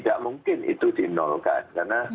tidak mungkin itu dinolkan